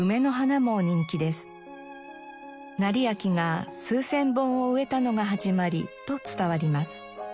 斉昭が数千本を植えたのが始まりと伝わります。